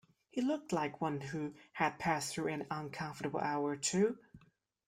He looked like one who had passed through an uncomfortable hour or two.